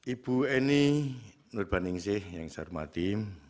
ibu eni nurbaningsih yang saya hormati